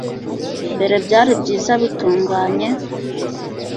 mbere byari byiza bitunganye,